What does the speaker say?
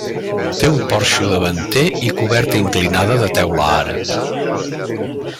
Té un porxo davanter i coberta inclinada de teula àrab.